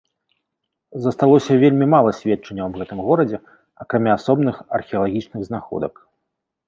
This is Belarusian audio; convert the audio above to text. Засталося вельмі мала сведчанняў аб гэтым горадзе, акрамя асобных археалагічных знаходак.